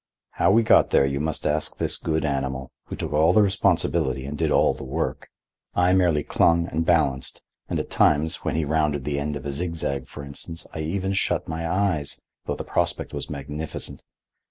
How we got there you must ask this good animal, who took all the responsibility and did all the work. I merely clung and balanced, and at times, when he rounded the end of a zigzag, for instance, I even shut my eyes, though the prospect was magnificent.